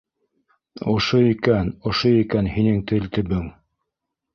— Ошо икән, ошо икән һинең тел төбөң!